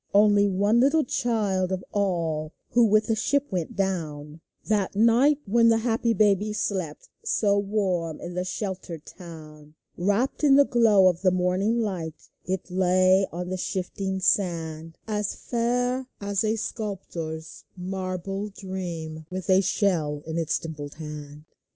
Only one little child of all Who with the ship went down 212 " GOD KNOWS That night when the happy babies slept So warm in the sheltered town. Wrapped in the glow of the morning light, It lay on the shifting sand, As fair as a sculptor's marble dream, With a shell in its dimpled hand.